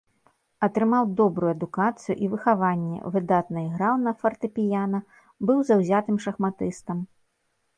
Атрымаў добрую адукацыю і выхаванне, выдатна іграў на фартэпіяна, быў заўзятым шахматыстам.